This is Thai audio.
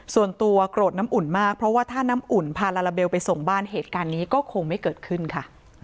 ส่วนตัวโกรธน้ำอุ่นมากเพราะว่าถ้าน้ำอุ่นพาลาลาเบลไปส่งบ้านเหตุการณ์นี้ก็คงไม่เกิดขึ้นค่ะ